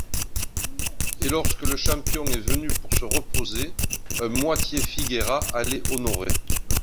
Et lorsque le champion est venu pour se reposer – un-moitié Figueira allait honorer.